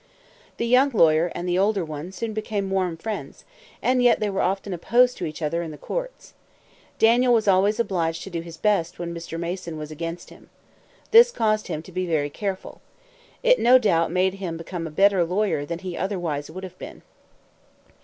The young lawyer and the older one soon became warm friends; and yet they were often opposed to each other in the courts. Daniel was always obliged to do his best when Mr. Mason was against him. This caused him to be very careful. It no doubt made him become a better lawyer than he otherwise would have been.